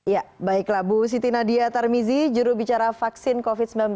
ya baiklah bu siti nadia tarmizi jurubicara vaksin covid sembilan belas